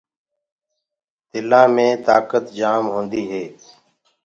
تِلينٚ مي تآڪت جآم هوندي هي۔